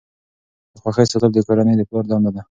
د خوښۍ ساتل د کورنۍ د پلار دنده ده.